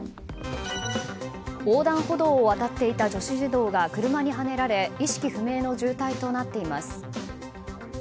横断歩道を渡っていた女子児童が車にはねられ意識不明の重体となっています。